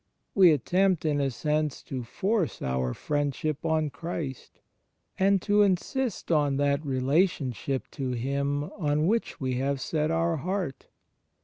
We attempt, in a sense, to force our friendship on Christ, and to insist on that relationship to Him on which we have set our heart.